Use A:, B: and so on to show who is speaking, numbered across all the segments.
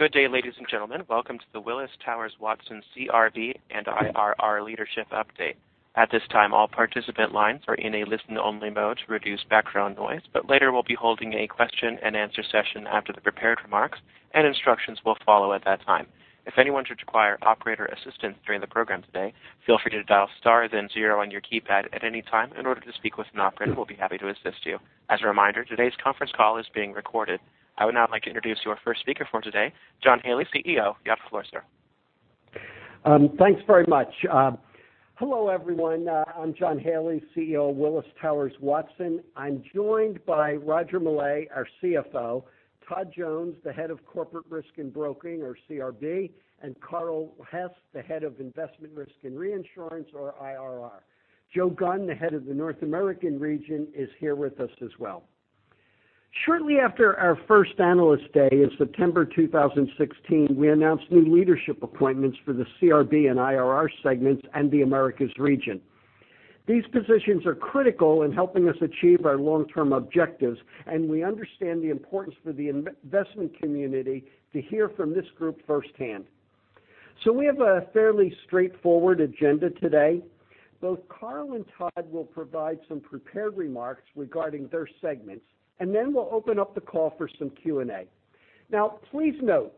A: Good day, ladies and gentlemen. Welcome to the Willis Towers Watson CRB and IRR Leadership update. At this time, all participant lines are in a listen-only mode to reduce background noise, later we'll be holding a question and answer session after the prepared remarks, and instructions will follow at that time. If anyone should require operator assistance during the program today, feel free to dial star then zero on your keypad at any time in order to speak with an operator who will be happy to assist you. As a reminder, today's conference call is being recorded. I would now like to introduce your first speaker for today, John Haley, CEO. You have the floor, sir.
B: Thanks very much. Hello, everyone. I'm John Haley, CEO of Willis Towers Watson. I'm joined by Roger Millay, our CFO, Todd Jones, the Head of Corporate Risk and Broking or CRB, and Carl Hess, the Head of Investment, Risk and Reinsurance or IRR. Joe Gunn, the Head of the North American Region, is here with us as well. Shortly after our first Analyst Day in September 2016, we announced new leadership appointments for the CRB and IRR segments and the Americas Region. These positions are critical in helping us achieve our long-term objectives, we understand the importance for the investment community to hear from this group firsthand. We have a fairly straightforward agenda today. Both Carl and Todd will provide some prepared remarks regarding their segments, then we'll open up the call for some Q&A. Please note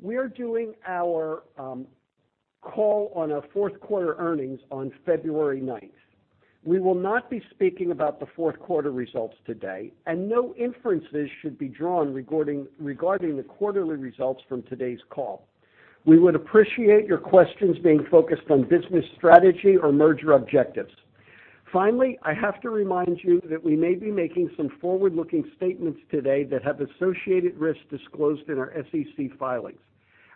B: we're doing our call on our fourth quarter earnings on February 9th. We will not be speaking about the fourth quarter results today, no inferences should be drawn regarding the quarterly results from today's call. We would appreciate your questions being focused on business strategy or merger objectives. Finally, I have to remind you that we may be making some forward-looking statements today that have associated risks disclosed in our SEC filings.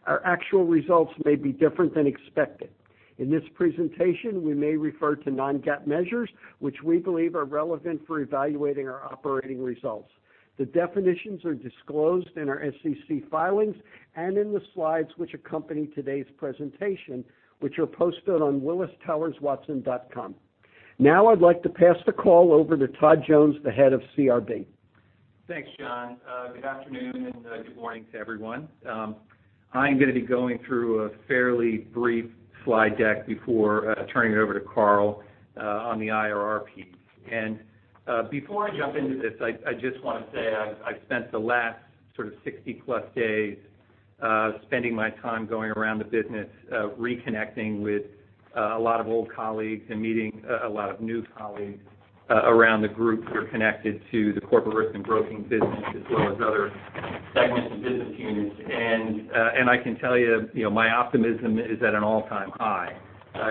B: Our actual results may be different than expected. In this presentation, we may refer to non-GAAP measures, which we believe are relevant for evaluating our operating results. The definitions are disclosed in our SEC filings and in the slides which accompany today's presentation, which are posted on wtwco.com. I'd like to pass the call over to Todd Jones, the Head of CRB.
C: Thanks, John. Good afternoon and good morning to everyone. I am going to be going through a fairly brief slide deck before turning it over to Carl on the IRR piece. Before I jump into this, I just want to say I've spent the last 60-plus days spending my time going around the business, reconnecting with a lot of old colleagues and meeting a lot of new colleagues around the group who are connected to the Corporate Risk and Broking business, as well as other segments and business units. I can tell you my optimism is at an all-time high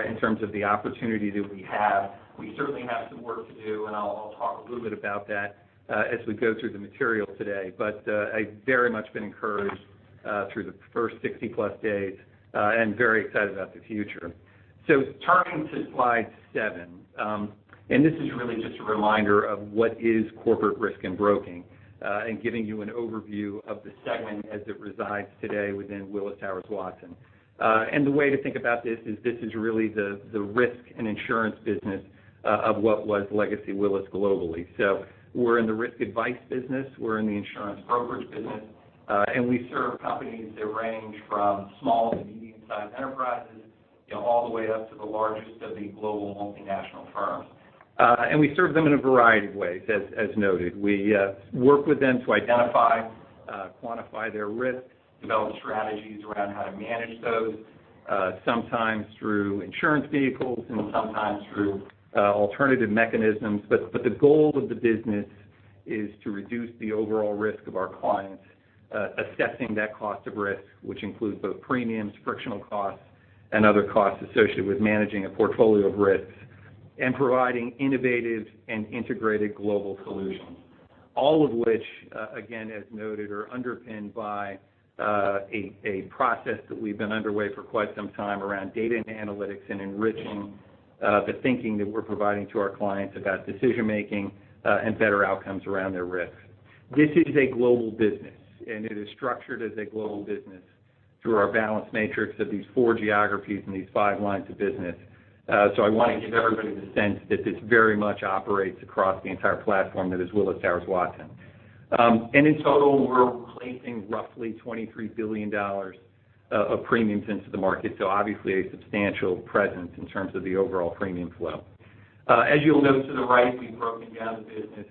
C: in terms of the opportunity that we have. We certainly have some work to do, I'll talk a little bit about that as we go through the material today. I've very much been encouraged through the first 60-plus days and very excited about the future. Turning to slide seven, this is really just a reminder of what is Corporate Risk and Broking, and giving you an overview of the segment as it resides today within Willis Towers Watson. The way to think about this is this is really the risk and insurance business of what was legacy Willis globally. We're in the risk advice business, we're in the insurance brokerage business, and we serve companies that range from small to medium-sized enterprises all the way up to the largest of the global multinational firms. We serve them in a variety of ways, as noted. We work with them to identify, quantify their risk, develop strategies around how to manage those, sometimes through insurance vehicles and sometimes through alternative mechanisms. The goal of the business is to reduce the overall risk of our clients, assessing that cost of risk, which includes both premiums, frictional costs, and other costs associated with managing a portfolio of risks and providing innovative and integrated global solutions. All of which, again, as noted, are underpinned by a process that we've been underway for quite some time around data and analytics and enriching the thinking that we're providing to our clients about decision-making and better outcomes around their risks. This is a global business, it is structured as a global business through our balanced matrix of these four geographies and these five lines of business. I want to give everybody the sense that this very much operates across the entire platform that is Willis Towers Watson. In total, we're placing roughly $23 billion of premiums into the market. Obviously a substantial presence in terms of the overall premium flow. As you'll note to the right, we've broken down the business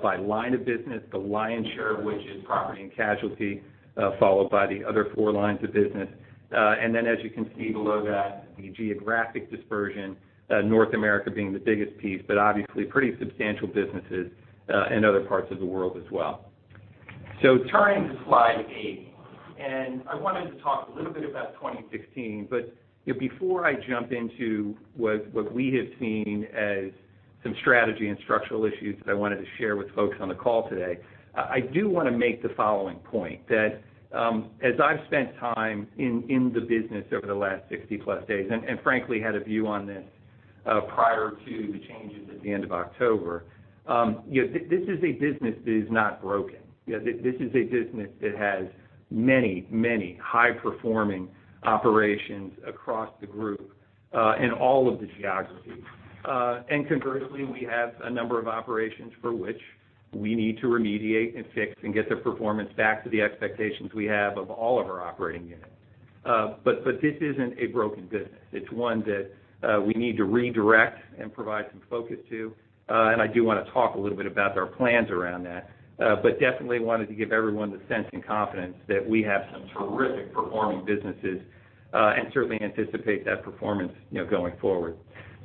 C: by line of business, the lion's share of which is property and casualty, followed by the other four lines of business. As you can see below that, the geographic dispersion, North America being the biggest piece, but obviously pretty substantial businesses in other parts of the world as well. Turning to slide eight, I wanted to talk a little bit about 2016, before I jump into what we have seen as some strategy and structural issues that I wanted to share with folks on the call today, I do want to make the following point that as I've spent time in the business over the last 60-plus days and frankly had a view on this prior to the changes at the end of October, this is a business that is not broken. This is a business that has many high-performing operations across the group in all of the geographies. Conversely, we have a number of operations for which we need to remediate and fix and get their performance back to the expectations we have of all of our operating units. This isn't a broken business. It's one that we need to redirect and provide some focus to. I do want to talk a little bit about our plans around that. Definitely wanted to give everyone the sense and confidence that we have some terrific performing businesses, and certainly anticipate that performance going forward.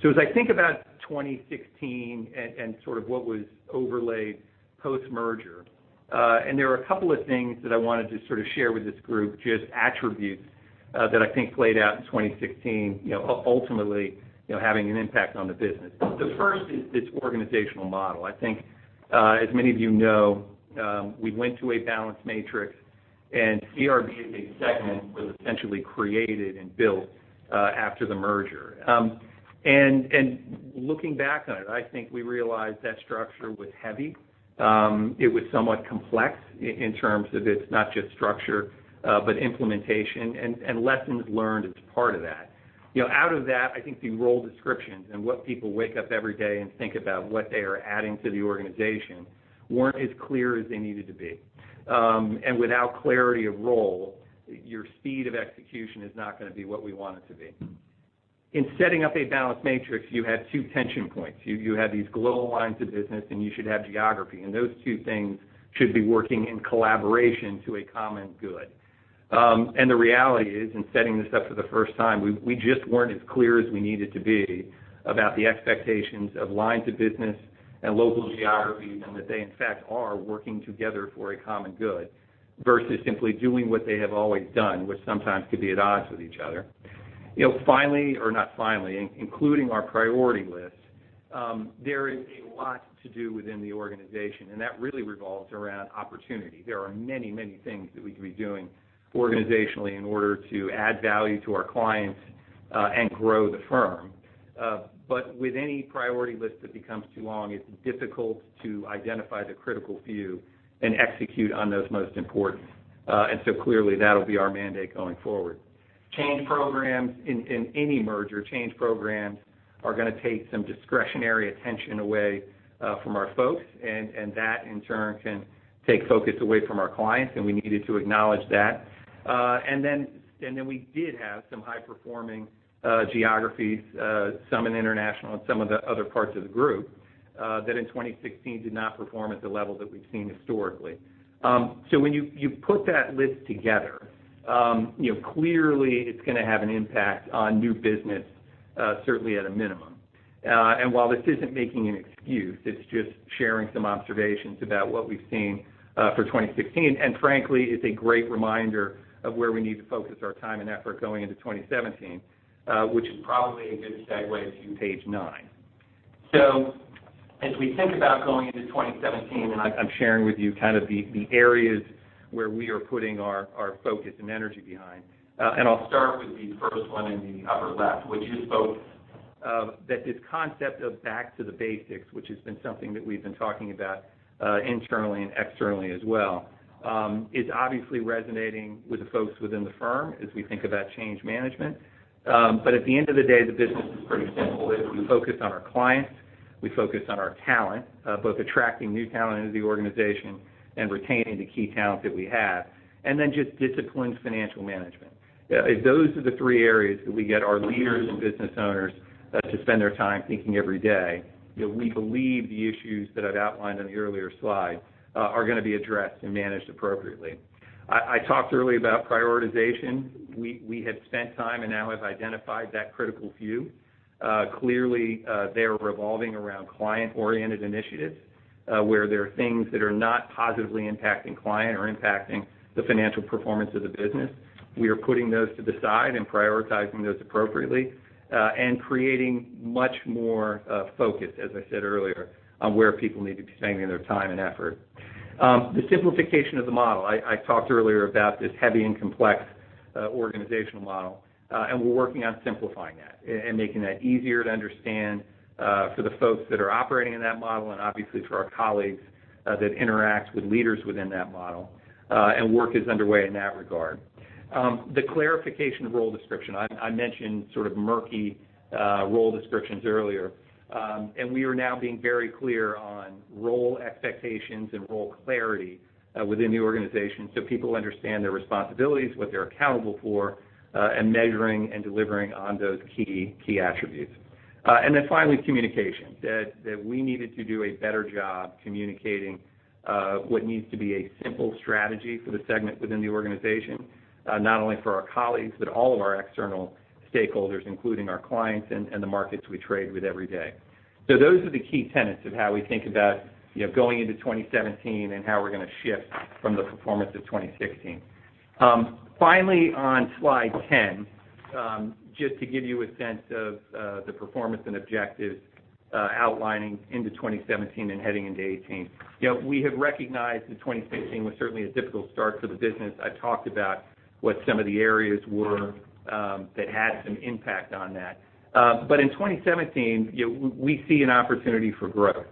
C: As I think about 2016 and sort of what was overlaid post-merger, there are a couple of things that I wanted to sort of share with this group, just attributes that I think played out in 2016, ultimately, having an impact on the business. The first is this organizational model. I think, as many of you know, we went to a balanced matrix, and CRB as a segment was essentially created and built after the merger. Looking back on it, I think we realized that structure was heavy. It was somewhat complex in terms of it's not just structure, but implementation and lessons learned as part of that. Out of that, I think the role descriptions and what people wake up every day and think about what they are adding to the organization weren't as clear as they needed to be. Without clarity of role, your speed of execution is not going to be what we want it to be. In setting up a balanced matrix, you had two tension points. You had these global lines of business, and you should have geography, and those two things should be working in collaboration to a common good. The reality is, in setting this up for the first time, we just weren't as clear as we needed to be about the expectations of lines of business and local geographies, and that they in fact are working together for a common good versus simply doing what they have always done, which sometimes could be at odds with each other. Finally, or not finally, including our priority list, there is a lot to do within the organization, and that really revolves around opportunity. There are many things that we could be doing organizationally in order to add value to our clients and grow the firm. With any priority list that becomes too long, it's difficult to identify the critical few and execute on those most important. Clearly that'll be our mandate going forward. Change programs in any merger, change programs are going to take some discretionary attention away from our folks, and that in turn can take focus away from our clients, and we needed to acknowledge that. We did have some high-performing geographies, some in international and some of the other parts of the group, that in 2016 did not perform at the level that we've seen historically. When you put that list together, clearly it's going to have an impact on new business, certainly at a minimum. While this isn't making an excuse, it's just sharing some observations about what we've seen for 2016, and frankly, it's a great reminder of where we need to focus our time and effort going into 2017, which is probably a good segue to page nine. As we think about going into 2017, I'm sharing with you kind of the areas where we are putting our focus and energy behind. I'll start with the first one in the upper left, which is both that this concept of back to the basics, which has been something that we've been talking about internally and externally as well. It's obviously resonating with the folks within the firm as we think about change management. At the end of the day, the business is pretty simple. If we focus on our clients, we focus on our talent, both attracting new talent into the organization and retaining the key talent that we have, and then just disciplined financial management. If those are the three areas that we get our leaders and business owners to spend their time thinking every day, we believe the issues that I've outlined on the earlier slide are going to be addressed and managed appropriately. I talked earlier about prioritization. We had spent time and now have identified that critical few. Clearly, they are revolving around client-oriented initiatives, where there are things that are not positively impacting client or impacting the financial performance of the business. We are putting those to the side and prioritizing those appropriately, and creating much more focus, as I said earlier, on where people need to be spending their time and effort. The simplification of the model, I talked earlier about this heavy and complex organizational model. We're working on simplifying that and making that easier to understand for the folks that are operating in that model and obviously for our colleagues that interact with leaders within that model. Work is underway in that regard. The clarification of role description. I mentioned sort of murky role descriptions earlier. We are now being very clear on role expectations and role clarity within the organization so people understand their responsibilities, what they're accountable for, and measuring and delivering on those key attributes. Then finally, communication, that we needed to do a better job communicating what needs to be a simple strategy for the segment within the organization, not only for our colleagues, but all of our external stakeholders, including our clients and the markets we trade with every day. Those are the key tenets of how we think about going into 2017 and how we're going to shift from the performance of 2016. Finally, on slide 10, just to give you a sense of the performance and objectives outlining into 2017 and heading into 2018. We have recognized that 2016 was certainly a difficult start for the business. I talked about what some of the areas were that had some impact on that. In 2017, we see an opportunity for growth.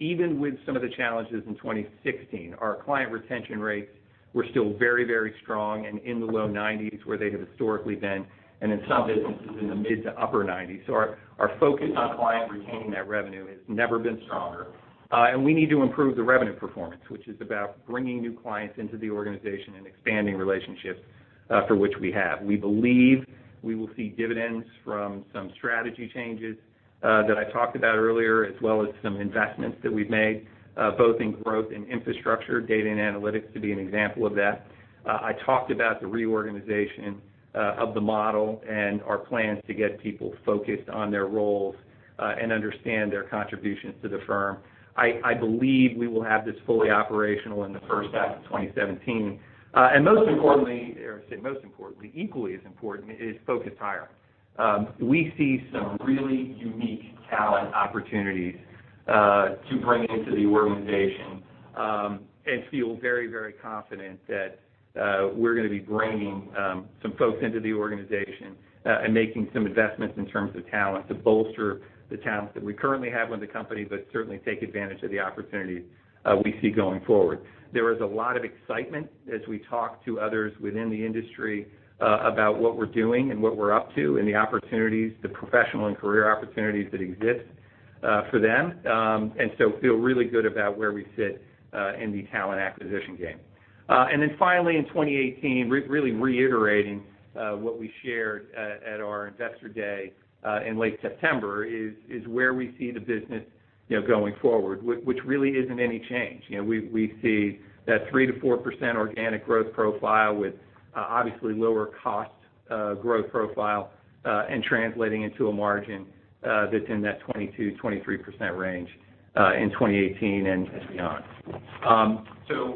C: Even with some of the challenges in 2016, our client retention rates were still very strong and in the low 90s where they have historically been, and in some businesses in the mid to upper 90s. Our focus on client retaining that revenue has never been stronger. We need to improve the revenue performance, which is about bringing new clients into the organization and expanding relationships for which we have. We believe we will see dividends from some strategy changes that I talked about earlier, as well as some investments that we've made both in growth and infrastructure, data and analytics to be an example of that. I talked about the reorganization of the model and our plans to get people focused on their roles and understand their contributions to the firm. I believe we will have this fully operational in the first half of 2017. Most importantly, or I say most importantly, equally as important is focused hire. We see some really unique talent opportunities to bring into the organization and feel very confident that we're going to be bringing some folks into the organization and making some investments in terms of talent to bolster the talent that we currently have with the company, but certainly take advantage of the opportunities we see going forward. There is a lot of excitement as we talk to others within the industry about what we're doing and what we're up to and the opportunities, the professional and career opportunities that exist for them. So feel really good about where we sit in the talent acquisition game. Finally, in 2018, really reiterating what we shared at our investor day in late September is where we see the business going forward, which really isn't any change. We see that 3%-4% organic growth profile with obviously lower cost growth profile and translating into a margin that's in that 22%-23% range in 2018 and beyond.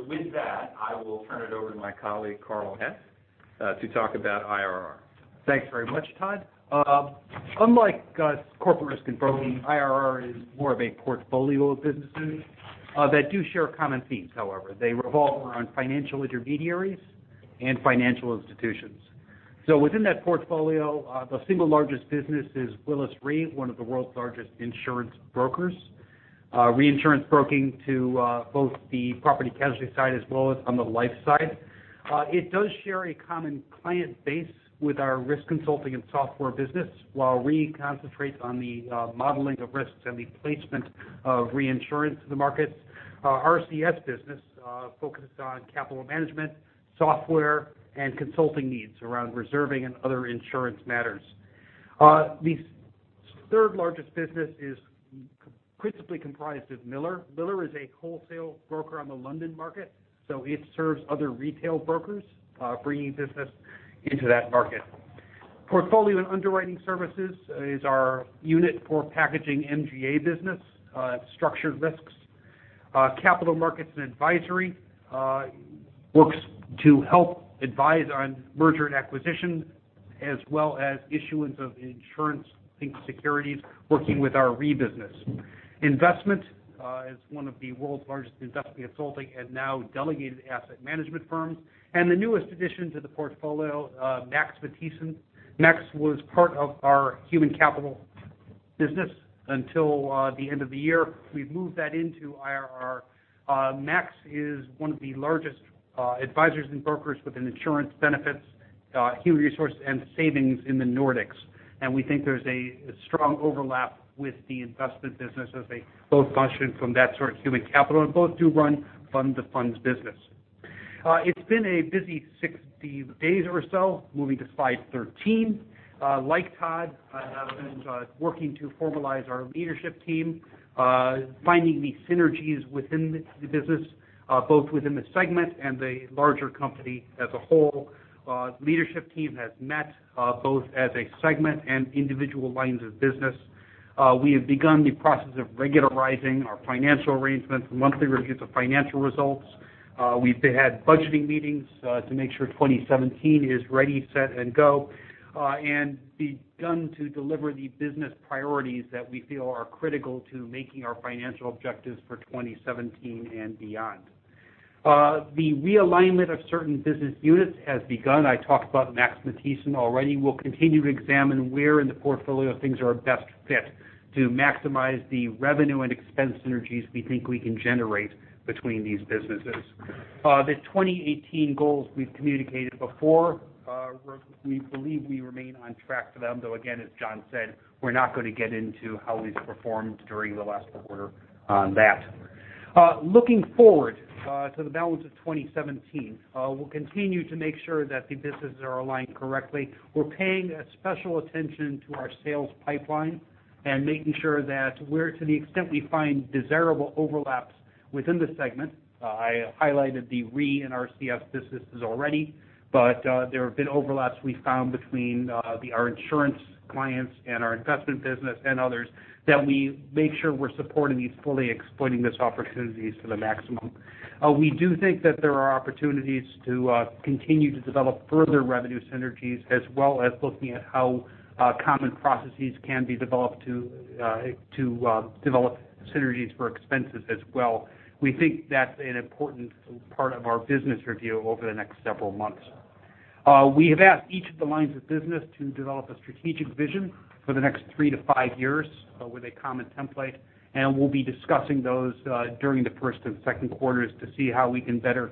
C: With that, I will turn it over to my colleague, Carl Hess, to talk about IRR.
D: Thanks very much, Todd. Unlike Corporate Risk and Broking, IRR is more of a portfolio of businesses that do share common themes, however. They revolve around financial intermediaries and financial institutions. Within that portfolio, the single largest business is Willis Re, one of the world's largest insurance brokers. Reinsurance broking to both the property casualty side as well as on the life side. It does share a common client base with our risk consulting and software business while Re concentrates on the modeling of risks and the placement of reinsurance in the markets. Our RCS business focuses on capital management, software, and consulting needs around reserving and other insurance matters. The third largest business is principally comprised of Miller. Miller is a wholesale broker on the London market, so it serves other retail brokers bringing business into that market. Portfolio and Underwriting Services is our unit for packaging MGA business, structured risks. Capital Markets & Advisory works to help advise on merger and acquisition, as well as issuance of insurance-linked securities working with our Re business. Investment is one of the world's largest investment consulting and now delegated asset management firms. The newest addition to the portfolio, Max Matthiessen. Max was part of our human capital business until the end of the year. We've moved that into IRR. Max is one of the largest advisors and brokers within insurance benefits, human resources, and savings in the Nordics. We think there's a strong overlap with the investment business as they both function from that sort of human capital and both do run fund-to-funds business. It's been a busy 60 days or so moving to slide 13. Like Todd, I have been working to formalize our leadership team finding the synergies within the business both within the segment and the larger company as a whole. Leadership team has met both as a segment and individual lines of business. We have begun the process of regularizing our financial arrangements, monthly reviews of financial results. We've had budgeting meetings to make sure 2017 is ready, set, and go, and begun to deliver the business priorities that we feel are critical to making our financial objectives for 2017 and beyond. The realignment of certain business units has begun. I talked about Max Matthiessen already. We'll continue to examine where in the portfolio things are a best fit to maximize the revenue and expense synergies we think we can generate between these businesses. The 2018 goals we've communicated before we believe we remain on track for them, though, again, as John said, we're not going to get into how we performed during the last quarter on that. Looking forward to the balance of 2017, we'll continue to make sure that the businesses are aligned correctly. We're paying special attention to our sales pipeline and making sure that where to the extent we find desirable overlaps within the segment, I highlighted the Re and RCS businesses already, but there have been overlaps we found between our insurance clients and our investment business and others that we make sure we're supporting these fully, exploiting these opportunities to the maximum. We do think that there are opportunities to continue to develop further revenue synergies, as well as looking at how common processes can be developed to develop synergies for expenses as well. We think that's an important part of our business review over the next several months. We have asked each of the lines of business to develop a strategic vision for the next three to five years with a common template. We'll be discussing those during the first and second quarters to see how we can better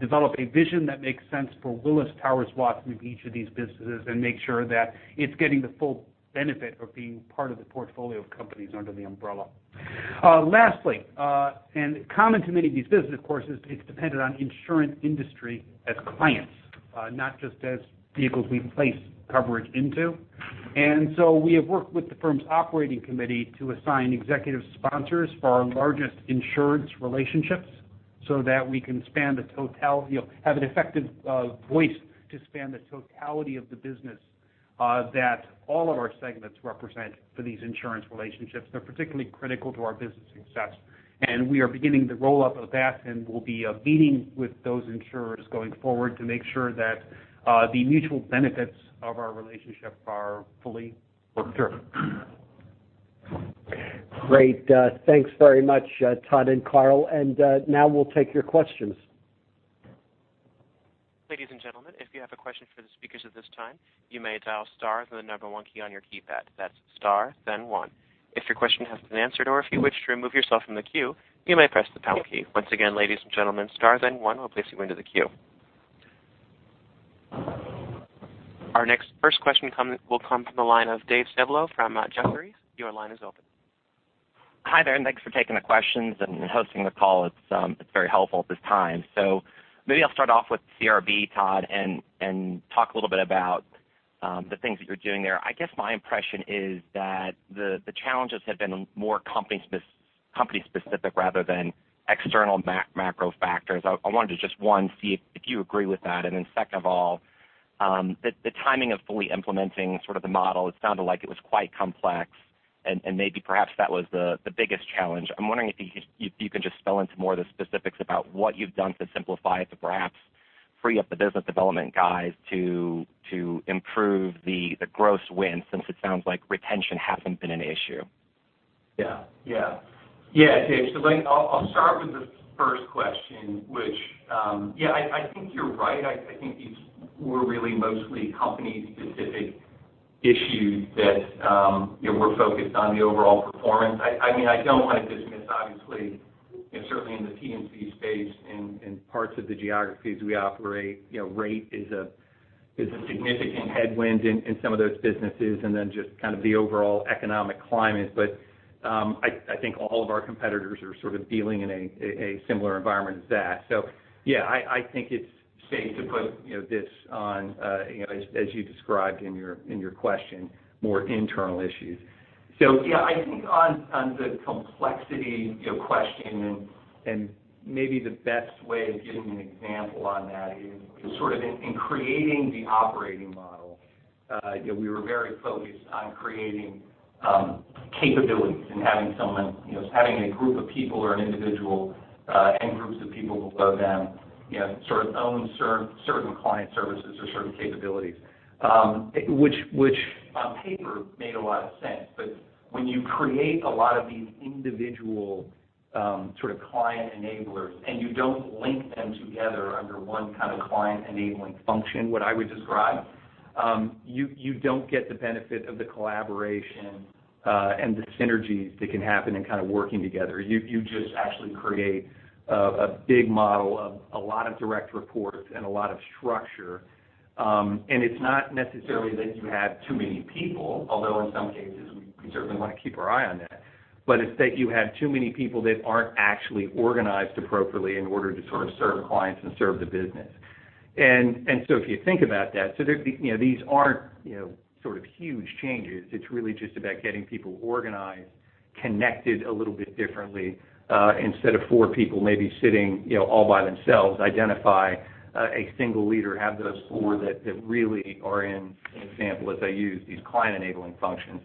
D: develop a vision that makes sense for Willis Towers Watson in each of these businesses, and make sure that it's getting the full benefit of being part of the portfolio of companies under the umbrella. Lastly, common to many of these businesses, of course, is it's dependent on the insurance industry as clients, not just as vehicles we place coverage into. We have worked with the firm's Operating Committee to assign executive sponsors for our largest insurance relationships so that we can have an effective voice to span the totality of the business that all of our segments represent for these insurance relationships. They're particularly critical to our business success, and we are beginning the roll-up of that, and we'll be meeting with those insurers going forward to make sure that the mutual benefits of our relationship are fully worked through.
B: Great. Thanks very much, Todd and Carl. Now we'll take your questions.
A: Ladies and gentlemen, if you have a question for the speakers at this time, you may dial star, then the 1 key on your keypad. That's star, then 1. If your question has been answered or if you wish to remove yourself from the queue, you may press the pound key. Once again, ladies and gentlemen, star, then 1 will place you into the queue. Our next first question will come from the line of Dave Styblo from Jefferies. Your line is open.
E: Hi there, thanks for taking the questions and hosting the call. It's very helpful at this time. Maybe I'll start off with CRB, Todd, and talk a little bit about the things that you're doing there. I guess my impression is that the challenges have been more company specific rather than external macro factors. I wanted to just, one, see if you agree with that. Then second of all, the timing of fully implementing sort of the model, it sounded like it was quite complex and maybe perhaps that was the biggest challenge. I'm wondering if you can just spell into more of the specifics about what you've done to simplify it, to perhaps free up the business development guys to improve the gross win, since it sounds like retention hasn't been an issue.
C: Yeah. Dave, I'll start with the first question, which, I think you're right. I think these were really mostly company specific issues that we're focused on the overall performance. I don't want to dismiss, obviously, certainly in the P&C space, in parts of the geographies we operate, rate is a significant headwind in some of those businesses, and then just kind of the overall economic climate. I think all of our competitors are sort of dealing in a similar environment as that. I think it's safe to put this on, as you described in your question, more internal issues. I think on the complexity question and maybe the best way of giving an example on that is sort of in creating the operating model, we were very focused on creating capabilities and having a group of people or an individual and groups of people below them, sort of own certain client services or certain capabilities. Which on paper made a lot of sense, when you create a lot of these individual sort of client enablers and you don't link them together under one kind of client enabling function, what I would describe, you don't get the benefit of the collaboration and the synergies that can happen in kind of working together. You just actually create a big model of a lot of direct reports and a lot of structure. It's not necessarily that you have too many people, although in some cases, we certainly want to keep our eye on that, it's that you have too many people that aren't actually organized appropriately in order to sort of serve clients and serve the business. If you think about that, these aren't huge changes. It's really just about getting people organized, connected a little bit differently. Instead of four people maybe sitting all by themselves, identify a single leader, have those four that really are in, an example as I use, these client enabling functions,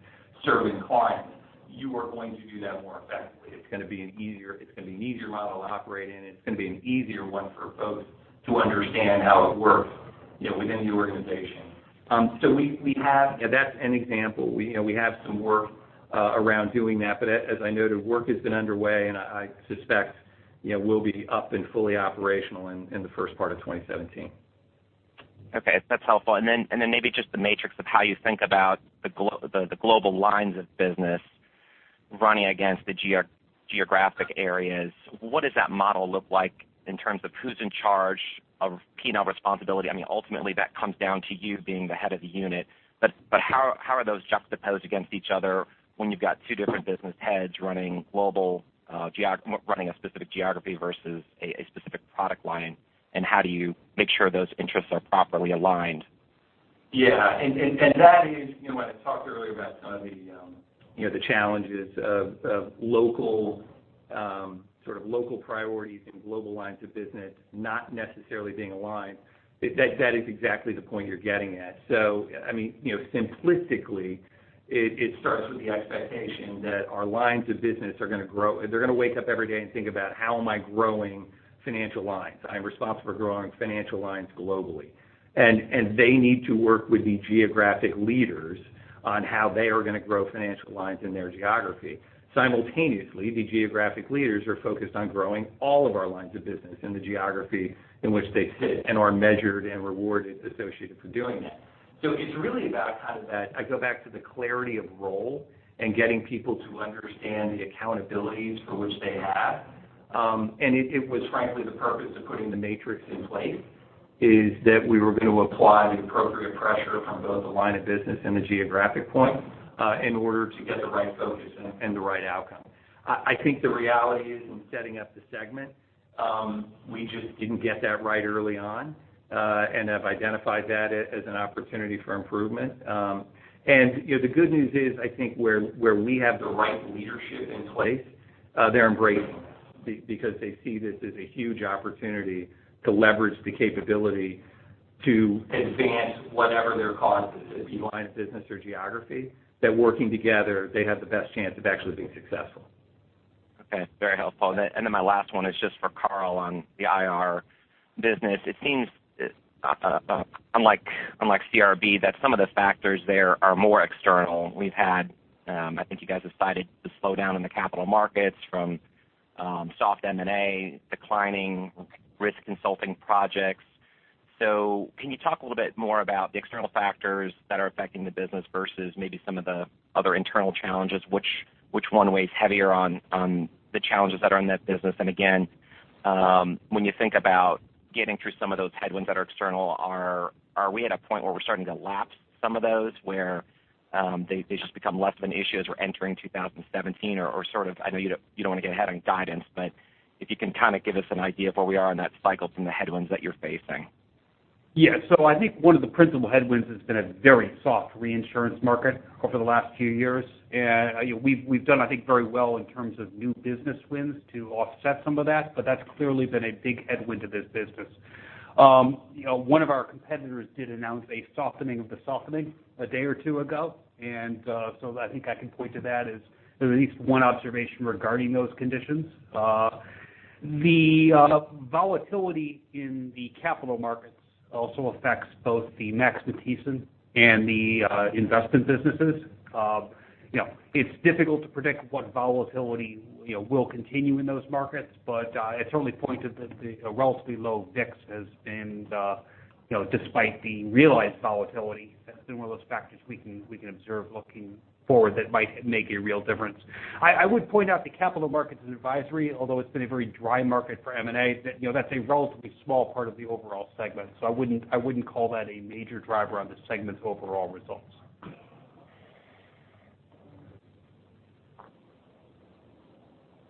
C: serving clients. You are going to do that more effectively. It's going to be an easier model to operate in. It's going to be an easier one for folks to understand how it works within the organization. That's an example. We have some work around doing that, as I noted, work has been underway, and I suspect we'll be up and fully operational in the first part of 2017.
E: Okay. That's helpful. Maybe just the matrix of how you think about the global lines of business running against the geographic areas. What does that model look like in terms of who's in charge of P&L responsibility? I mean, ultimately, that comes down to you being the head of the unit, but how are those juxtaposed against each other when you've got two different business heads running a specific geography versus a specific product line? How do you make sure those interests are properly aligned?
C: Yeah. That is, when I talked earlier about some of the challenges of sort of local priorities and global lines of business not necessarily being aligned, that is exactly the point you're getting at. Simplistically, it starts with the expectation that our lines of business are going to grow. They're going to wake up every day and think about how am I growing financial lines? I am responsible for growing financial lines globally. They need to work with the geographic leaders On how they are going to grow financial lines in their geography. Simultaneously, the geographic leaders are focused on growing all of our lines of business in the geography in which they sit and are measured and rewarded associated for doing that. It's really about how that I go back to the clarity of role and getting people to understand the accountabilities for which they have. It was frankly, the purpose of putting the matrix in place, is that we were going to apply the appropriate pressure from both the line of business and the geographic point, in order to get the right focus and the right outcome. I think the reality is in setting up the segment, we just didn't get that right early on, and have identified that as an opportunity for improvement. The good news is, I think where we have the right leadership in place, they're embracing because they see this as a huge opportunity to leverage the capability to advance whatever their cause is, be line of business or geography, that working together, they have the best chance of actually being successful.
E: Okay. Very helpful. Then my last one is just for Carl on the IRR business. It seems unlike CRB, that some of the factors there are more external. We've had, I think you guys have cited the slowdown in the capital markets from soft M&A, declining risk consulting projects. Can you talk a little bit more about the external factors that are affecting the business versus maybe some of the other internal challenges? Which one weighs heavier on the challenges that are in that business? Again, when you think about getting through some of those headwinds that are external, are we at a point where we're starting to lapse some of those where they just become less of an issue as we're entering 2017 or sort of, I know you don't want to get ahead on guidance, but if you can kind of give us an idea of where we are in that cycle from the headwinds that you're facing.
D: Yeah. I think one of the principal headwinds has been a very soft reinsurance market over the last few years. We've done, I think, very well in terms of new business wins to offset some of that, but that's clearly been a big headwind to this business. One of our competitors did announce a softening of the softening a day or two ago. I think I can point to that as at least one observation regarding those conditions. The volatility in the capital markets also affects both the Max Matthiessen and the investment businesses. It's difficult to predict what volatility will continue in those markets, but I certainly pointed that the relatively low VIX has been, despite the realized volatility, that's been one of those factors we can observe looking forward that might make a real difference. I would point out the Capital Markets & Advisory, although it's been a very dry market for M&A, that's a relatively small part of the overall segment. I wouldn't call that a major driver on the segment's overall results.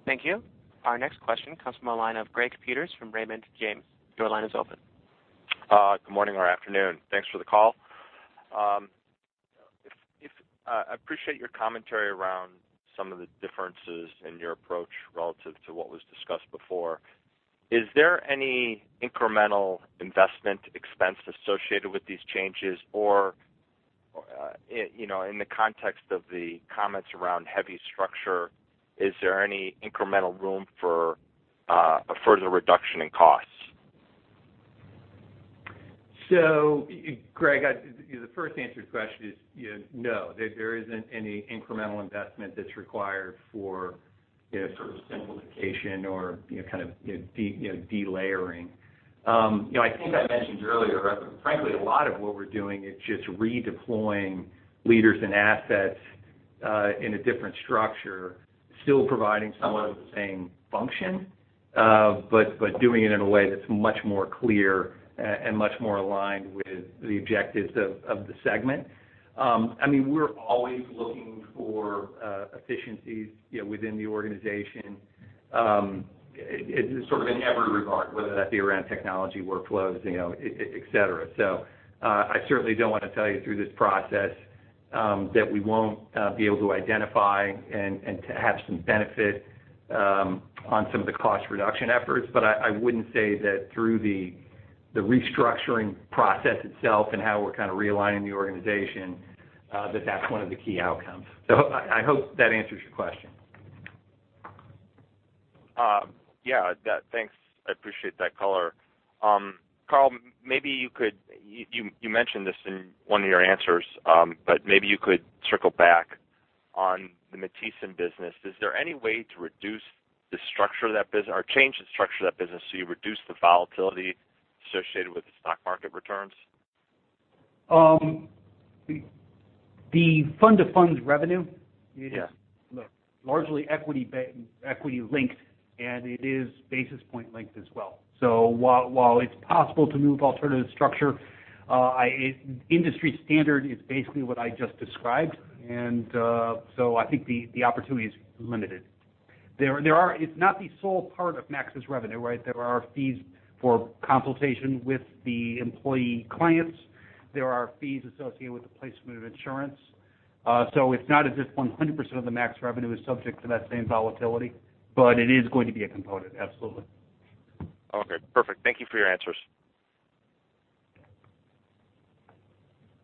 A: Thank you. Our next question comes from the line of Gregory Peters from Raymond James. Your line is open.
F: Good morning or afternoon. Thanks for the call. I appreciate your commentary around some of the differences in your approach relative to what was discussed before. Is there any incremental investment expense associated with these changes? Or in the context of the comments around heavy structure, is there any incremental room for a further reduction in costs?
C: Greg, the first answer to the question is no, there isn't any incremental investment that's required for sort of simplification or kind of de-layering. I think I mentioned earlier, frankly, a lot of what we're doing is just redeploying leaders and assets in a different structure, still providing some of the same function but doing it in a way that's much more clear and much more aligned with the objectives of the segment. We're always looking for efficiencies within the organization, in sort of every regard, whether that be around technology workflows, et cetera. I certainly don't want to tell you through this process that we won't be able to identify and to have some benefit on some of the cost reduction efforts. I wouldn't say that through the restructuring process itself and how we're kind of realigning the organization, that that's one of the key outcomes. I hope that answers your question.
F: Yeah. Thanks. I appreciate that color. Carl, you mentioned this in one of your answers, but maybe you could circle back on the Max Matthiessen business. Is there any way to reduce the structure of that business or change the structure of that business so you reduce the volatility associated with the stock market returns?
D: The fund-to-funds revenue
F: Yeah
D: largely equity-linked, and it is basis point linked as well. While it's possible to move alternative structure, industry standard is basically what I just described, I think the opportunity is limited. It's not the sole part of Max Matthiessen's revenue, right? There are fees for consultation with the employee clients. There are fees associated with the placement of insurance. It's not as if 100% of the Max Matthiessen revenue is subject to that same volatility, but it is going to be a component, absolutely.
F: Okay, perfect. Thank you for your answers.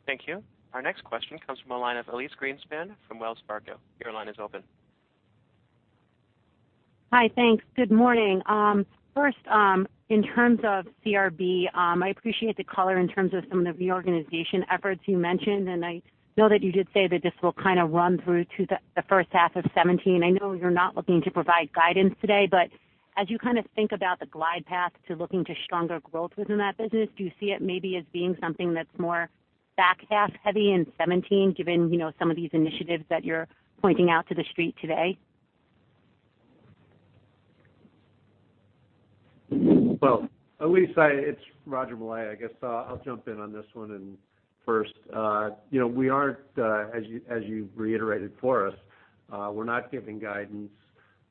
A: Thank you. Our next question comes from the line of Elyse Greenspan from Wells Fargo. Your line is open
G: Hi. Thanks. Good morning. First, in terms of CRB, I appreciate the color in terms of some of the reorganization efforts you mentioned, and I know that you did say that this will run through to the first half of 2017. I know you're not looking to provide guidance today, but as you think about the glide path to looking to stronger growth within that business, do you see it maybe as being something that's more back-half heavy in 2017, given some of these initiatives that you're pointing out to the street today?
H: Well, Elyse, it's Roger Millay. I guess I'll jump in on this one first. As you reiterated for us, we're not giving guidance.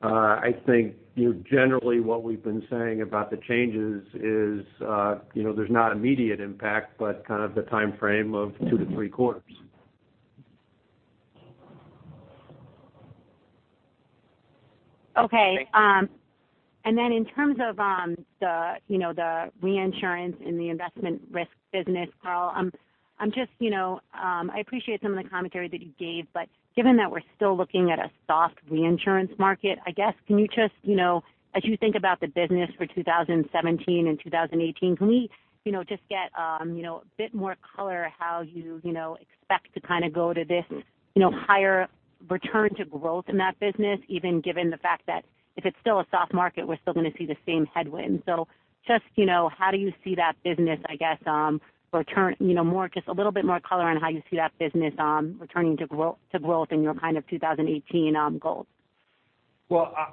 H: I think generally what we've been saying about the changes is there's not immediate impact but the timeframe of two to three quarters.
G: Okay. In terms of the reinsurance and the investment risk business, Carl, I appreciate some of the commentary that you gave, but given that we're still looking at a soft reinsurance market, as you think about the business for 2017 and 2018, can we just get a bit more color how you expect to go to this higher return to growth in that business, even given the fact that if it's still a soft market, we're still going to see the same headwinds. Just how do you see that business, just a little bit more color on how you see that business returning to growth in your kind of 2018 goals?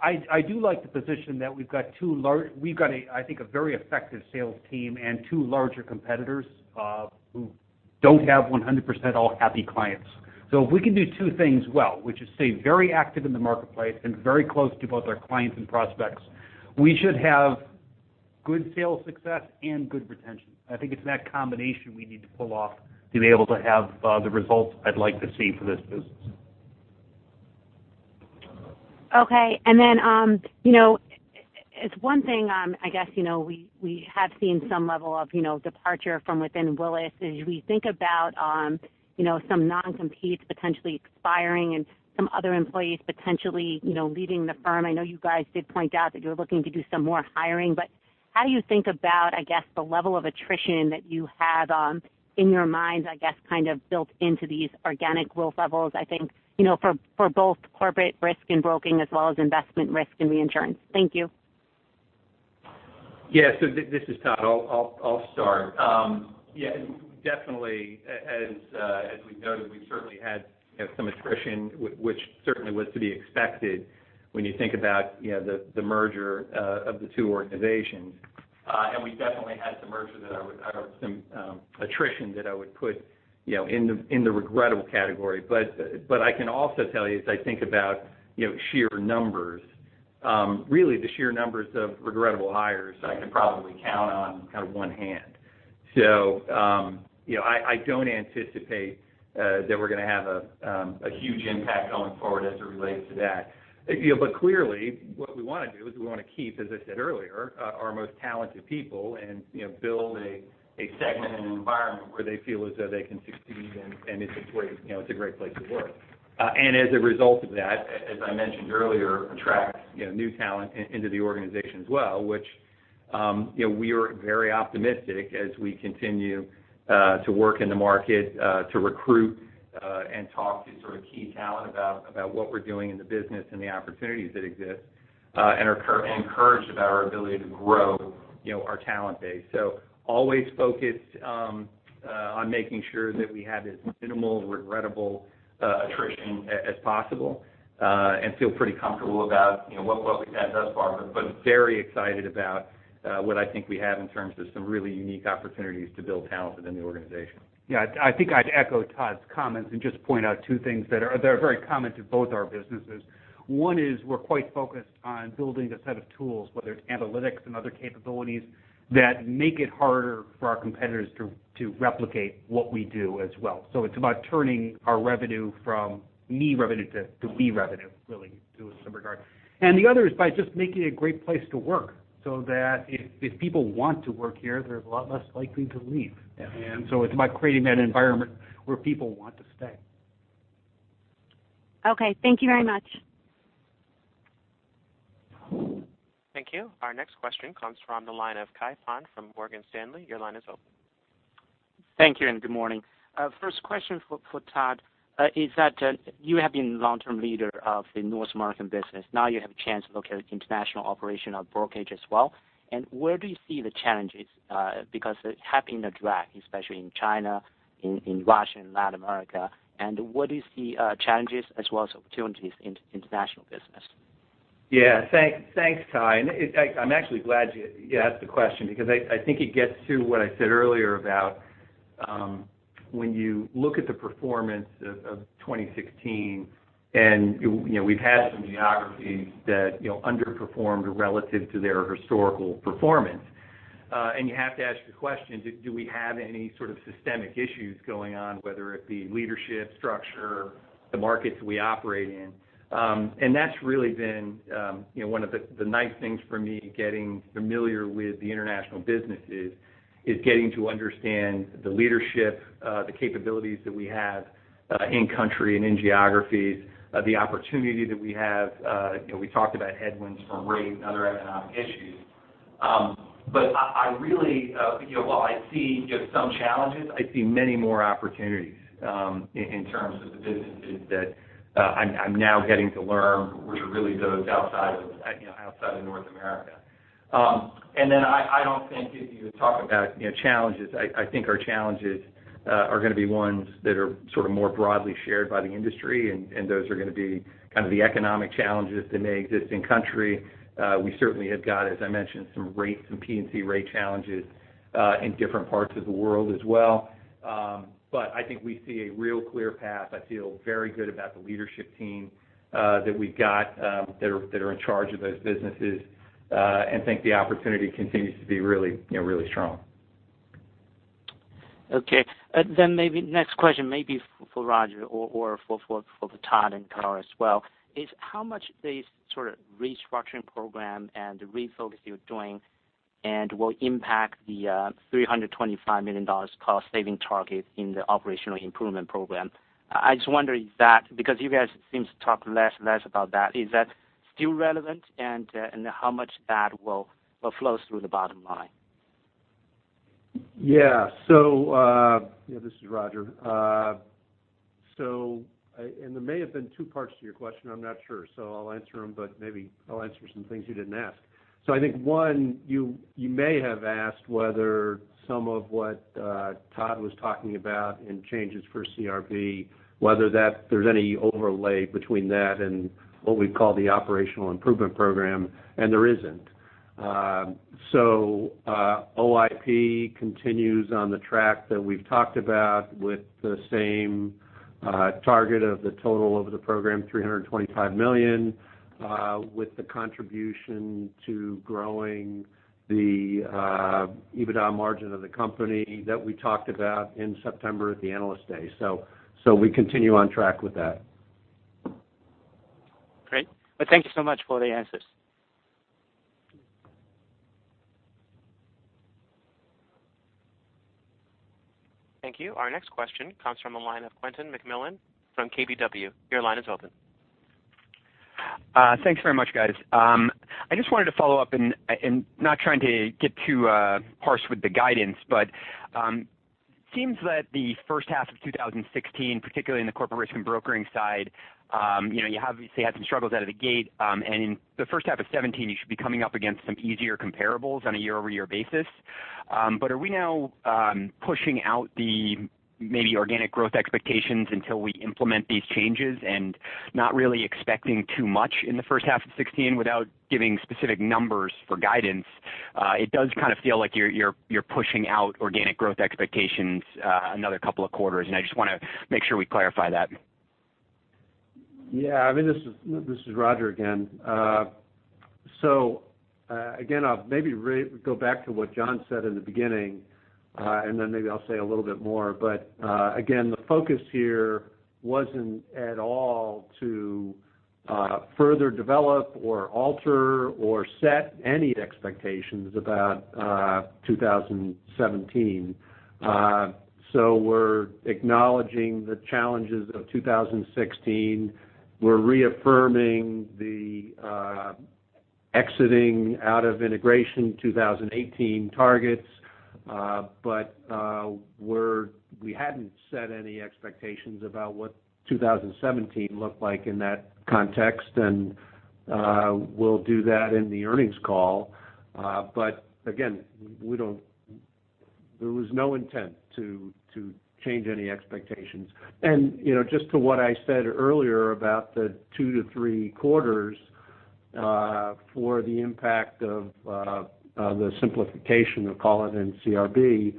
D: I do like the position that we've got, I think, a very effective sales team and two larger competitors who don't have 100% all happy clients. If we can do two things well, which is stay very active in the marketplace and very close to both our clients and prospects, we should have good sales success and good retention. I think it's that combination we need to pull off to be able to have the results I'd like to see for this business.
G: Okay. As one thing, I guess, we have seen some level of departure from within Willis. As we think about some non-competes potentially expiring and some other employees potentially leaving the firm, I know you guys did point out that you're looking to do some more hiring. How do you think about, I guess, the level of attrition that you have in your minds, I guess, built into these organic growth levels, I think, for both Corporate Risk and Broking as well as Investment, Risk and Reinsurance? Thank you.
C: This is Todd. I'll start. Definitely, as we've noted, we've certainly had some attrition, which certainly was to be expected when you think about the merger of the two organizations. We definitely had some attrition that I would put in the regrettable category. I can also tell you, as I think about sheer numbers, really the sheer numbers of regrettable [hires I can probably count on one hand. I don't anticipate that we're going to have a huge impact going forward as it relates to that. Clearly, what we want to do is we want to keep, as I said earlier, our most talented people and build a segment and an environment where they feel as though they can succeed and it's a great place to work. As a result of that, as I mentioned earlier, attract new talent into the organization as well, which we are very optimistic as we continue to work in the market to recruit and talk to key talent about what we're doing in the business and the opportunities that exist, and are encouraged about our ability to grow our talent base. Always focused on making sure that we have as minimal regrettable attrition as possible, and feel pretty comfortable about what we've had thus far, but very excited about what I think we have in terms of some really unique opportunities to build talent within the organization.
D: Yeah. I think I'd echo Todd's comments and just point out two things that are very common to both our businesses. One is we're quite focused on building a set of tools, whether it's analytics and other capabilities that make it harder for our competitors to replicate what we do as well. It's about turning our revenue from me revenue to we revenue, really, to some regard. The other is by just making it a great place to work so that if people want to work here, they're a lot less likely to leave.
C: Yeah.
D: It's about creating that environment where people want to stay.
G: Okay. Thank you very much.
A: Thank you. Our next question comes from the line of Kai Pan from Morgan Stanley. Your line is open.
I: Thank you, and good morning. First question for Todd is that you have been long-term leader of the North American business. Now you have a chance to look at international operation of brokerage as well. Where do you see the challenges? Because it have been a drag, especially in China, in Russia, and Latin America. What is the challenges as well as opportunities in international business?
C: Yeah. Thanks, Kai, and I'm actually glad you asked the question because I think it gets to what I said earlier about when you look at the performance of 2016, and we've had some geographies that underperformed relative to their historical performance. You have to ask the question, do we have any sort of systemic issues going on, whether it be leadership, structure, the markets we operate in? That's really been one of the nice things for me getting familiar with the international businesses is getting to understand the leadership, the capabilities that we have in country and in geographies, the opportunity that we have. We talked about headwinds from rates and other economic issues. While I see some challenges, I see many more opportunities in terms of the businesses that I'm now getting to learn, which are really those outside of North America. I don't think if you talk about challenges, I think our challenges are going to be ones that are more broadly shared by the industry, and those are going to be the economic challenges in the existing country. We certainly have got, as I mentioned, some P&C rate challenges in different parts of the world as well. I think we see a real clear path. I feel very good about the leadership team that we've got that are in charge of those businesses, and think the opportunity continues to be really strong.
I: Okay. Maybe next question, maybe for Roger or for Todd and Carl as well, is how much these sort of restructuring program and the refocus you're doing and will impact the $325 million cost saving target in the operational improvement program? I just wonder if that, because you guys seem to talk less and less about that, is that still relevant and how much that will flow through the bottom line?
H: This is Roger. There may have been two parts to your question, I am not sure. I will answer them, but maybe I will answer some things you did not ask. I think one, you may have asked whether some of what Todd was talking about in changes for CRB, whether there is any overlay between that and what we call the Operational Improvement Program, and there isn't. OIP continues on the track that we have talked about with the same target of the total of the program, $325 million, with the contribution to growing the EBITDA margin of the company that we talked about in September at the Analyst Day. We continue on track with that.
I: Great. Thank you so much for the answers.
A: Thank you. Our next question comes from the line of Quentin McMillan from KBW. Your line is open.
J: Thanks very much, guys. I just wanted to follow up, not trying to get too harsh with the guidance, but it seems that the first half of 2016, particularly in the Corporate Risk and Broking side, you obviously had some struggles out of the gate. In the first half of 2017, you should be coming up against some easier comparables on a year-over-year basis. Are we now pushing out the maybe organic growth expectations until we implement these changes and not really expecting too much in the first half of 2016 without giving specific numbers for guidance? It does kind of feel like you are pushing out organic growth expectations another couple of quarters, and I just want to make sure we clarify that.
H: Yeah. This is Roger again. Again, I'll maybe go back to what John said in the beginning, then maybe I'll say a little bit more. Again, the focus here wasn't at all to further develop or alter or set any expectations about 2017. We're acknowledging the challenges of 2016. We're reaffirming the exiting out of integration 2018 targets. We hadn't set any expectations about what 2017 looked like in that context, and we'll do that in the earnings call. Again, there was no intent to change any expectations. Just to what I said earlier about the two to three quarters for the impact of the simplification of Carl and CRB,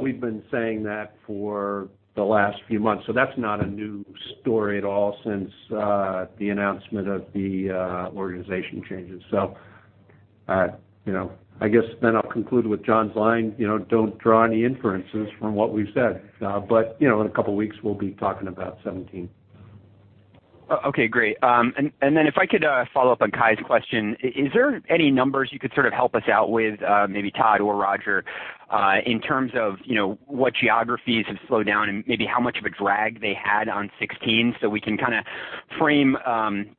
H: we've been saying that for the last few months. That's not a new story at all since the announcement of the organization changes. I guess then I'll conclude with John's line, don't draw any inferences from what we've said. In a couple of weeks, we'll be talking about 2017.
J: Okay, great. Then if I could follow up on Kai's question, is there any numbers you could sort of help us out with, maybe Todd or Roger, in terms of what geographies have slowed down and maybe how much of a drag they had on 2016 so we can kind of frame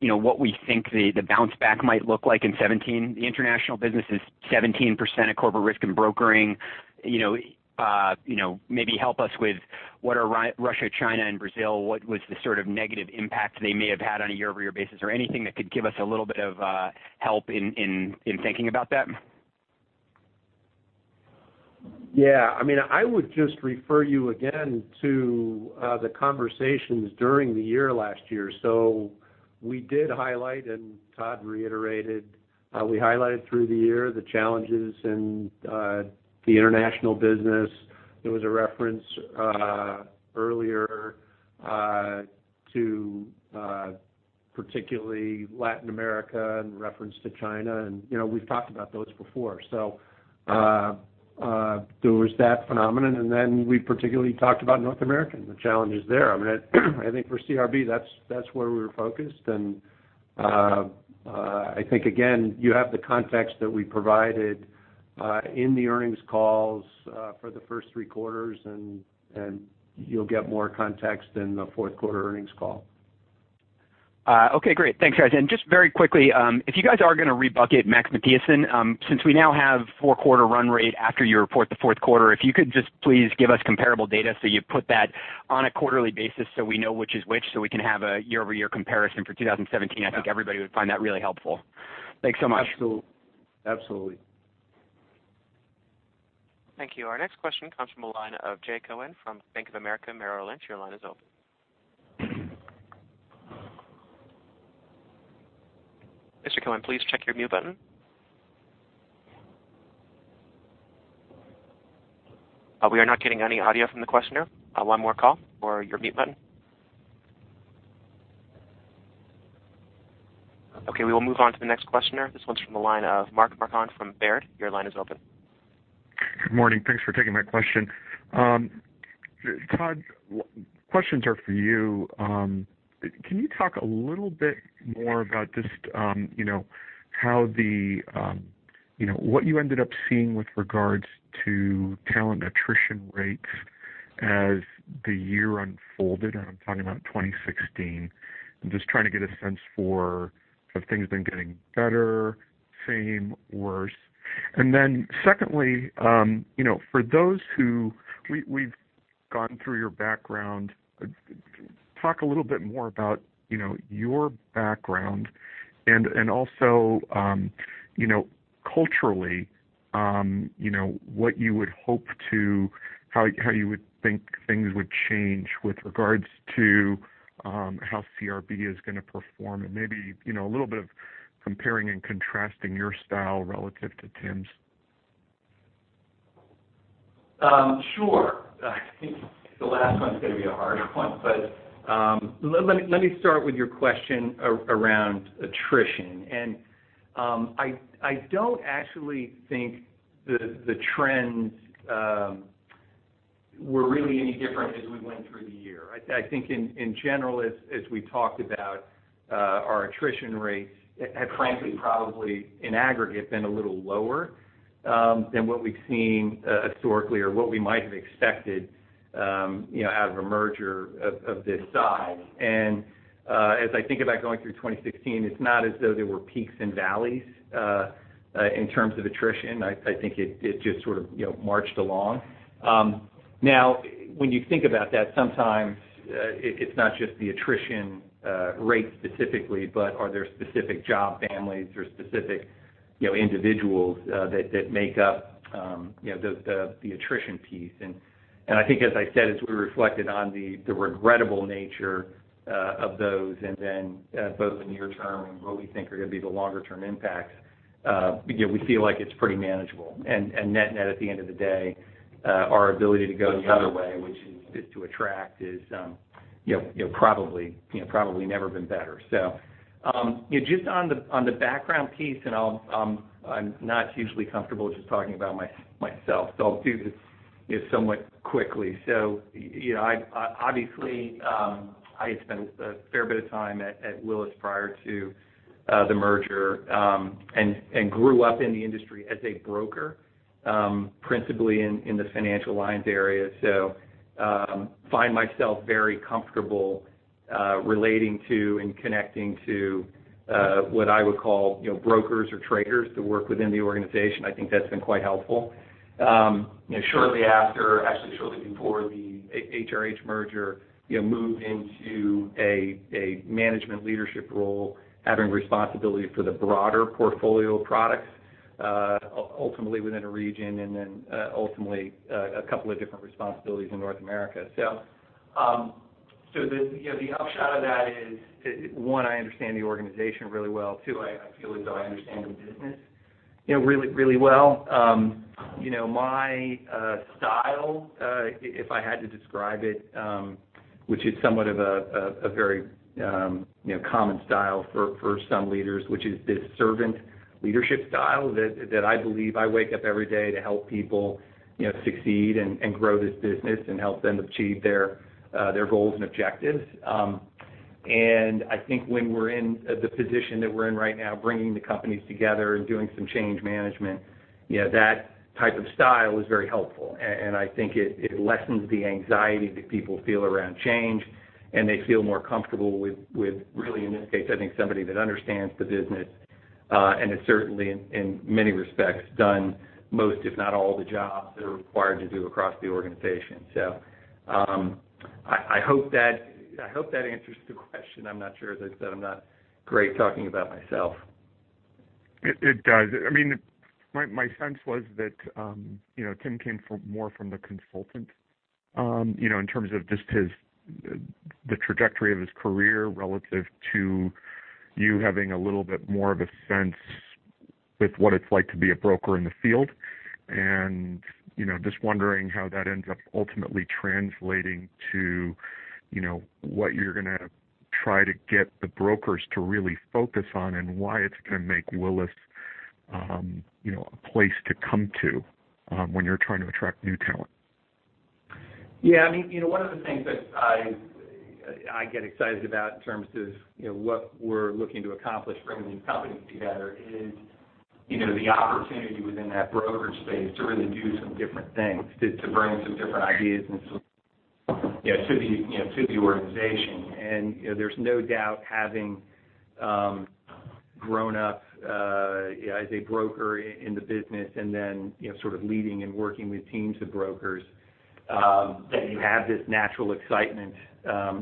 J: what we think the bounce back might look like in 2017? The international business is 17% of Corporate Risk and Broking. Maybe help us with what are Russia, China, and Brazil, what was the sort of negative impact they may have had on a year-over-year basis, or anything that could give us a little bit of help in thinking about that?
H: Yeah. I would just refer you again to the conversations during the year last year. We did highlight, and Todd reiterated, we highlighted through the year the challenges in the international business. There was a reference earlier to particularly Latin America, in reference to China, and we've talked about those before. There was that phenomenon, then we particularly talked about North America and the challenges there. I think for CRB, that's where we're focused. I think, again, you have the context that we provided in the earnings calls for the first three quarters, and you'll get more context in the fourth quarter earnings call.
J: Okay, great. Thanks, guys. Just very quickly, if you guys are going to rebucket Max Matthiessen, since we now have four-quarter run rate after you report the fourth quarter, if you could just please give us comparable data. You put that on a quarterly basis so we know which is which, so we can have a year-over-year comparison for 2017. I think everybody would find that really helpful. Thanks so much.
H: Absolutely.
A: Thank you. Our next question comes from the line of Jay Cohen from Bank of America Merrill Lynch. Your line is open. Mr. Cohen, please check your mute button. We are not getting any audio from the questioner. One more call or your mute button. We will move on to the next questioner. This one's from the line of Mark Marcon from Baird. Your line is open.
K: Good morning. Thanks for taking my question. Todd, questions are for you. Can you talk a little bit more about what you ended up seeing with regards to talent attrition rates as the year unfolded? I'm talking about 2016. I'm just trying to get a sense for have things been getting better, same, worse. Secondly, for those who we've gone through your background, talk a little bit more about your background and also culturally, how you would think things would change with regards to how CRB is going to perform and maybe a little bit of comparing and contrasting your style relative to Tim's.
C: Sure. I think the last one's going to be a hard one, but let me start with your question around attrition. I don't actually think the trends were really any different as we went through the year. I think in general, as we talked about our attrition rates had frankly probably in aggregate been a little lower than what we've seen historically or what we might have expected out of a merger of this size. As I think about going through 2016, it's not as though there were peaks and valleys in terms of attrition. I think it just sort of marched along. When you think about that, sometimes it's not just the attrition rate specifically, but are there specific job families or specific individuals that make up the attrition piece. I think, as I said, as we reflected on the regrettable nature of those, then both the near term and what we think are going to be the longer term impacts, we feel like it's pretty manageable. Net at the end of the day, our ability to go the other way, which is to attract is probably never been better. Just on the background piece, I'm not hugely comfortable just talking about myself, I'll do this somewhat quickly. Obviously, I had spent a fair bit of time at Willis prior to the merger, and grew up in the industry as a broker, principally in the financial lines area. I find myself very comfortable relating to and connecting to what I would call brokers or traders that work within the organization. I think that's been quite helpful. Actually shortly before the HRH merger, moved into a management leadership role, having responsibility for the broader portfolio of products, ultimately within a region and then ultimately a couple of different responsibilities in North America. The upshot of that is, one, I understand the organization really well. Two, I feel as though I understand the business really well. My style, if I had to describe it, which is somewhat of a very common style for some leaders, which is this servant leadership style that I believe I wake up every day to help people succeed and grow this business and help them achieve their goals and objectives. I think when we're in the position that we're in right now, bringing the companies together and doing some change management, that type of style is very helpful. I think it lessens the anxiety that people feel around change, and they feel more comfortable with, really in this case, I think somebody that understands the business, and has certainly in many respects done most, if not all the jobs that are required to do across the organization. I hope that answers the question. I'm not sure. As I said, I'm not great talking about myself.
K: It does. My sense was that Tim came more from the consultant, in terms of just the trajectory of his career relative to you having a little bit more of a sense with what it's like to be a broker in the field. Just wondering how that ends up ultimately translating to what you're going to try to get the brokers to really focus on, and why it's going to make Willis a place to come to when you're trying to attract new talent.
C: Yeah. One of the things that I get excited about in terms of what we're looking to accomplish bringing these companies together is the opportunity within that brokerage space to really do some different things, to bring some different ideas to the organization. There's no doubt having grown up as a broker in the business and then leading and working with teams of brokers, that you have this natural excitement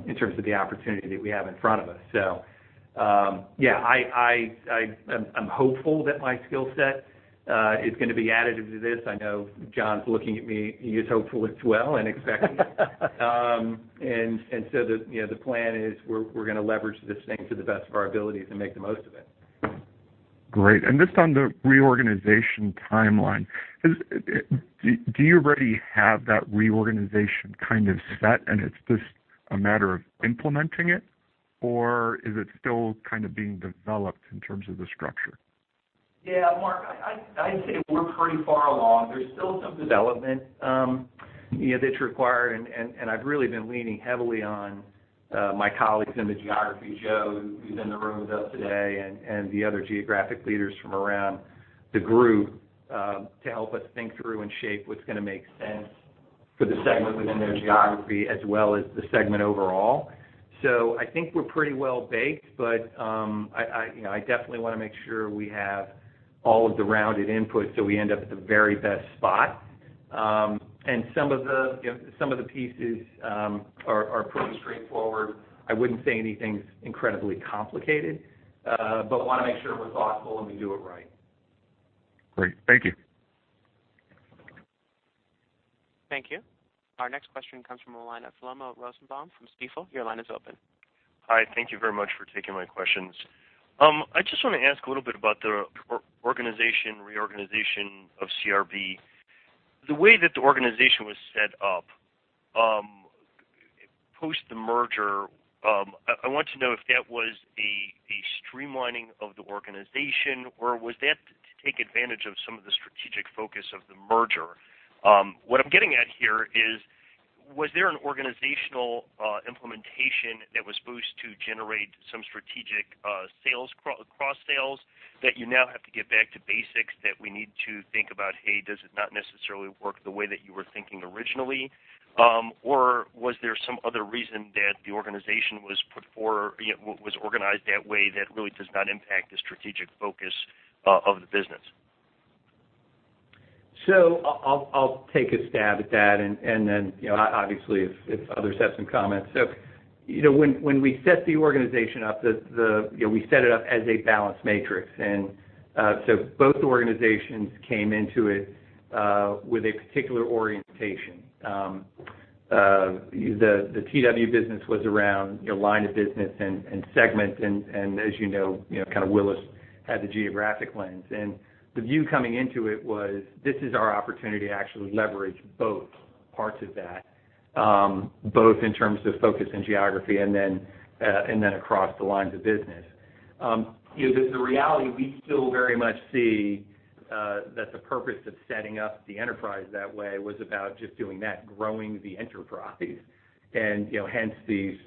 C: in terms of the opportunity that we have in front of us. I'm hopeful that my skill set is going to be additive to this. I know John's looking at me. He is hopeful as well and expecting. The plan is we're going to leverage this thing to the best of our abilities and make the most of it.
K: Great. Just on the reorganization timeline, do you already have that reorganization kind of set and it's just a matter of implementing it, or is it still kind of being developed in terms of the structure?
C: Yeah, Mark, I'd say we're pretty far along. There's still some development that's required. I've really been leaning heavily on my colleagues in the geography, Joe, who's in the room with us today, and the other geographic leaders from around the group to help us think through and shape what's going to make sense for the segment within their geography as well as the segment overall. I think we're pretty well baked, but I definitely want to make sure we have all of the rounded input so we end up at the very best spot. Some of the pieces are pretty straightforward. I wouldn't say anything's incredibly complicated, but want to make sure we're thoughtful and we do it right.
K: Great. Thank you.
A: Thank you. Our next question comes from the line of Shlomo Rosenbaum from Stifel. Your line is open.
L: Hi. Thank you very much for taking my questions. I just want to ask a little bit about the reorganization of CRB. The way that the organization was set up post the merger, I want to know if that was a streamlining of the organization, or was that to take advantage of some of the strategic focus of the merger? What I'm getting at here is, was there an organizational implementation that was supposed to generate some strategic cross-sales that you now have to get back to basics that we need to think about, hey, does it not necessarily work the way that you were thinking originally? Was there some other reason that the organization was organized that way that really does not impact the strategic focus of the business?
C: I'll take a stab at that, and then obviously, if others have some comments. When we set the organization up, we set it up as a balanced matrix. Both organizations came into it with a particular orientation. The TW business was around line of business and segment, and as you know, Willis had the geographic lens. The view coming into it was, this is our opportunity to actually leverage both parts of that, both in terms of focus and geography, and then across the lines of business. The reality we still very much see that the purpose of setting up the enterprise that way was about just doing that, growing the enterprise. Hence these,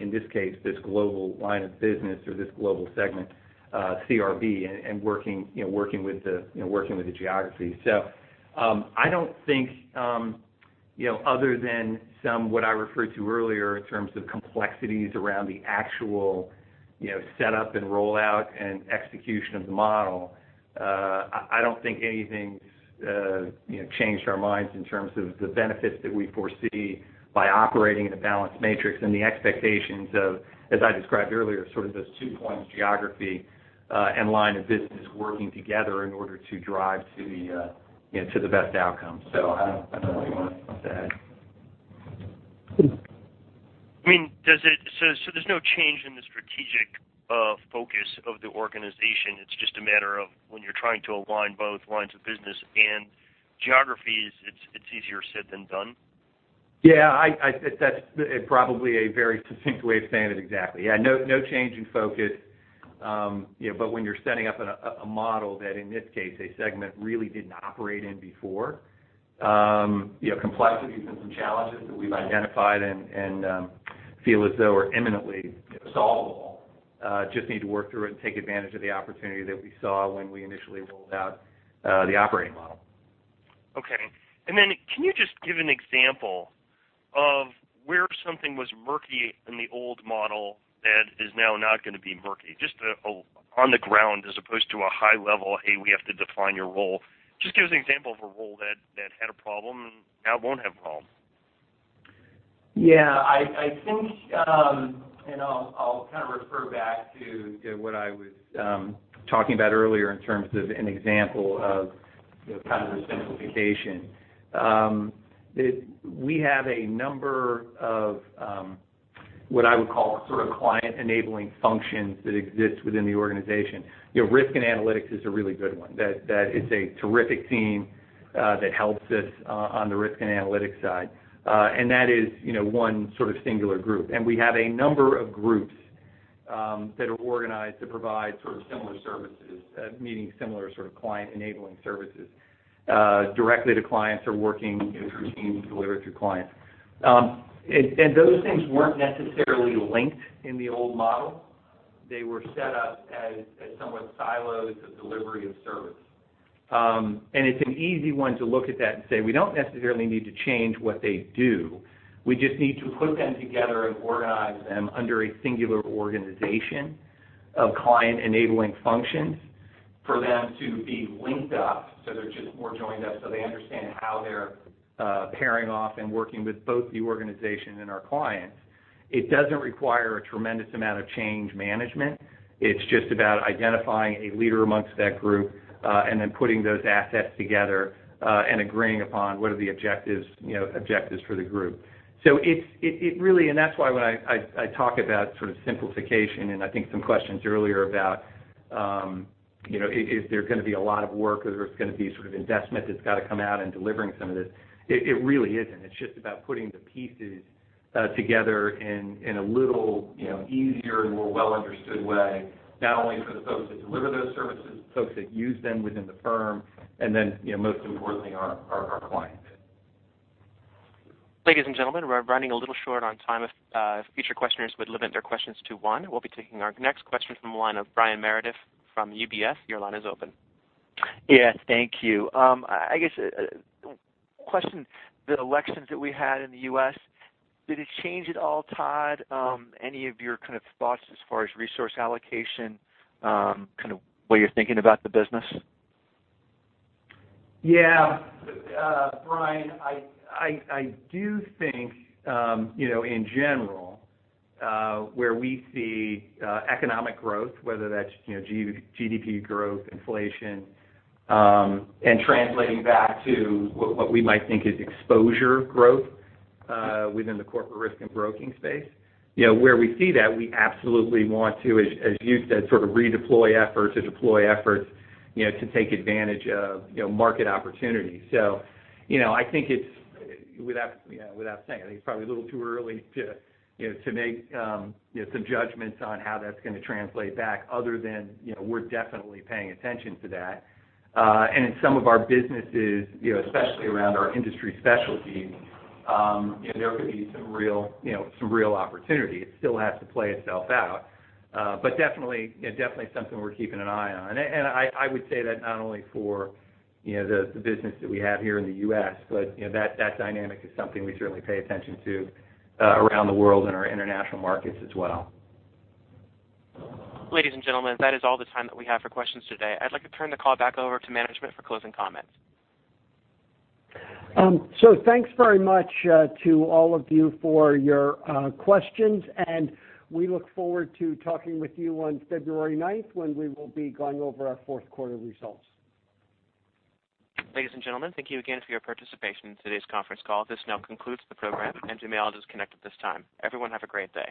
C: in this case, this global line of business or this global segment, CRB, and working with the geography. I don't think other than some what I referred to earlier in terms of complexities around the actual setup and rollout and execution of the model, I don't think anything's changed our minds in terms of the benefits that we foresee by operating in a balanced matrix and the expectations of, as I described earlier, sort of those two points, geography and line of business working together in order to drive to the best outcome. I don't know what you want to add.
L: There's no change in the strategic focus of the organization. It's just a matter of when you're trying to align both lines of business and geographies, it's easier said than done?
C: Yeah. That's probably a very succinct way of saying it exactly. Yeah, no change in focus. When you're setting up a model that, in this case, a segment really didn't operate in before, complexities and some challenges that we've identified and feel as though are imminently solvable. Just need to work through it and take advantage of the opportunity that we saw when we initially rolled out the operating model.
L: Okay. Can you just give an example of where something was murky in the old model that is now not going to be murky? Just on the ground as opposed to a high level, hey, we have to define your role. Just give us an example of a role that had a problem and now won't have a problem.
C: Yeah. I think, I'll kind of refer back to what I was talking about earlier in terms of an example of kind of the simplification. We have a number of what I would call sort of client-enabling functions that exist within the organization. Risk and analytics is a really good one. That is a terrific team that helps us on the risk and analytics side. That is one sort of singular group. We have a number of groups that are organized to provide sort of similar services, meaning similar sort of client-enabling services directly to clients or working through teams to deliver to clients. Those things weren't necessarily linked in the old model. They were set up as somewhat silos of delivery of service. It's an easy one to look at that and say, we don't necessarily need to change what they do. We just need to put them together and organize them under a singular organization of client-enabling functions for them to be linked up so they're just more joined up, so they understand how they're pairing off and working with both the organization and our clients. It doesn't require a tremendous amount of change management. It's just about identifying a leader amongst that group, then putting those assets together, and agreeing upon what are the objectives for the group. That's why when I talk about sort of simplification, and I think some questions earlier about, is there going to be a lot of work or is there going to be sort of investment that's got to come out in delivering some of this? It really isn't. It's just about putting the pieces together in a little easier and more well-understood way, not only for the folks that deliver those services, the folks that use them within the firm, and then, most importantly, our clients.
A: Ladies and gentlemen, we're running a little short on time. If future questioners would limit their questions to one. We'll be taking our next question from the line of Brian Meredith from UBS. Your line is open.
M: Yes, thank you. I guess a question, the elections that we had in the U.S., did it change at all, Todd, any of your kind of thoughts as far as resource allocation, kind of way you're thinking about the business?
C: Yeah. Brian, I do think, in general, where we see economic growth, whether that's GDP growth, inflation, and translating back to what we might think is exposure growth within the Corporate Risk and Broking space. Where we see that, we absolutely want to, as you've said, sort of redeploy efforts or deploy efforts to take advantage of market opportunities. I think it's without saying, I think it's probably a little too early to make some judgments on how that's going to translate back other than we're definitely paying attention to that. In some of our businesses, especially around our industry specialties, there could be some real opportunity. It still has to play itself out. Definitely something we're keeping an eye on. I would say that not only for the business that we have here in the U.S., but that dynamic is something we certainly pay attention to around the world in our international markets as well.
A: Ladies and gentlemen, that is all the time that we have for questions today. I'd like to turn the call back over to management for closing comments.
B: Thanks very much to all of you for your questions, and we look forward to talking with you on February ninth when we will be going over our fourth quarter results.
A: Ladies and gentlemen, thank you again for your participation in today's conference call. This now concludes the program. You may all disconnect at this time. Everyone, have a great day.